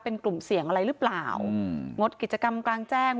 เป็นกลุ่มเสี่ยงอะไรหรือเปล่าอืมงดกิจกรรมกลางแจ้ง